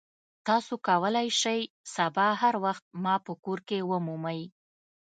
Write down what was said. تاسو کولی شئ سبا هر وخت ما په کور کې ومومئ